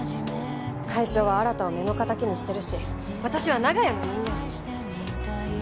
会長は新を目の敵にしてるし私は長屋の人間。